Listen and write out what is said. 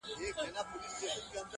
په اووه زورورو ورځو کي کيسه ده,